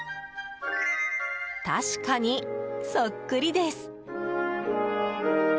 確かにそっくりです。